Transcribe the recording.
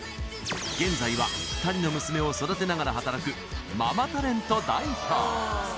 現在は２人の娘を育てながら働くママタレント代表